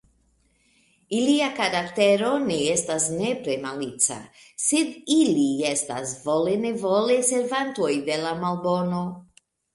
Ilia karaktero ne estas nepre malica, sed ili estas vole-nevole servantoj de la malbono.